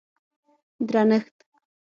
درنښت